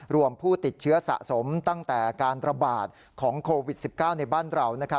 ผู้ติดเชื้อสะสมตั้งแต่การระบาดของโควิด๑๙ในบ้านเรา